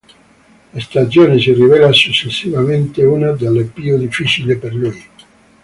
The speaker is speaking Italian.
La stagione si rivela successivamente una delle più difficili per lui.